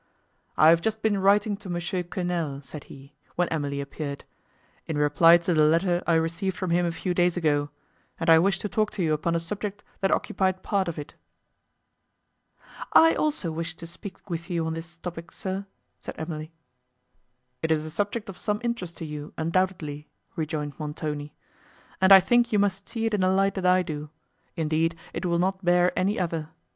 "I have just been writing to Mons. Quesnel," said he when Emily appeared, "in reply to the letter I received from him a few days ago, and I wished to talk to you upon a subject that occupied part of it." "I also wished to speak with you on this topic, sir," said Emily. "It is a subject of some interest to you, undoubtedly," rejoined Montoni, "and I think you must see it in the light that I do; indeed it will not bear any other.